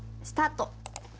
スタート！